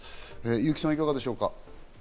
優木さん、いかがですか？